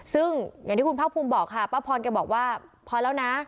ซึ่งอย่างที่คุณภาคภูมิบอกค่ะป้าพรแกบอกว่าพอแล้วนะ